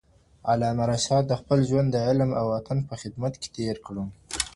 علامه رشاد خپل ژوند د علم او وطن په خدمت کې تیر کړ.